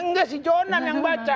enggak si jonan yang baca